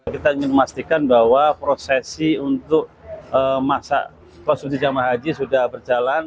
kita ingin memastikan bahwa prosesi untuk masa konsumsi jamaah haji sudah berjalan